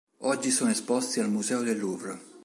Oggi sono esposti al Museo del Louvre.